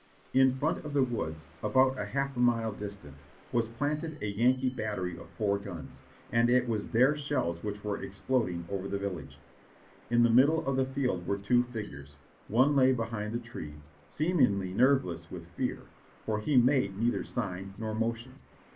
In front of the woods, about half a mile distant, was planted a Yankee battery of four guns, and it was their shells which were exploding over the village. In the middle of the field were two figures ; one lay behind the tree, seemingly nerveless with fear, for he made neither sign nor motion.